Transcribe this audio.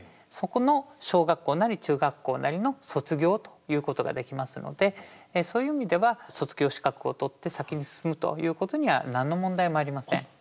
そこの小学校なり中学校なりの卒業ということができますのでそういう意味では卒業資格を取って先に進むということには何の問題もありません。